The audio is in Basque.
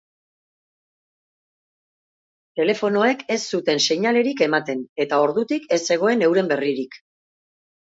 Telefonoek ez zuten seinalerik ematen eta ordutik ez zegoen euren berririk.